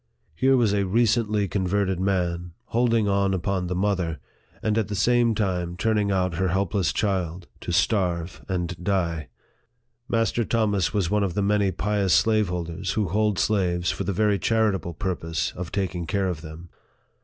Here was a recently converted man, hold ing on upon the mother, and at the same time turning out her helpless child, to starve and die ! Master Thomas was one of the many pious slaveholders who hold slaves for the very charitable purpose of taking care of them.